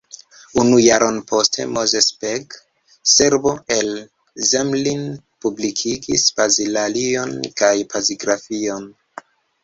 Unu jaron poste Moses Paic, Serbo el Zemlin, publikigis pazilalion kaj pazigrafion.